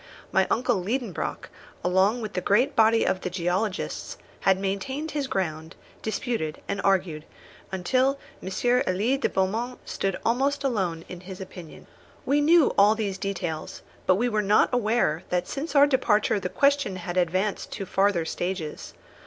My uncle Liedenbrock, along with the great body of the geologists, had maintained his ground, disputed, and argued, until M. Elie de Beaumont stood almost alone in his opinion. We knew all these details, but we were not aware that since our departure the question had advanced to farther stages.